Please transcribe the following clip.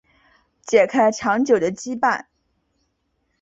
解开长久的羁绊